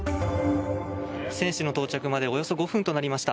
選手の到着までおよそ５分となりました。